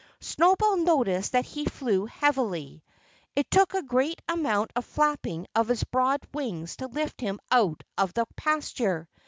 Snowball noticed that he flew heavily. It took a great amount of flapping of his broad wings to lift him out of the pasture.